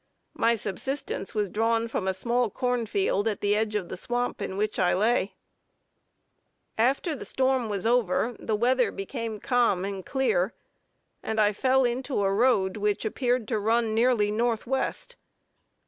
My subsistence was drawn from a small corn field at the edge of the swamp in which I lay. After the storm was over, the weather became calm and clear, and I fell into a road which appeared to run nearly north west.